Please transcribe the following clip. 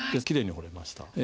きれいに彫れました。